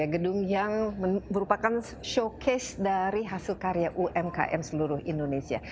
gedung yang merupakan showcase dari hasil karya umkm seluruh indonesia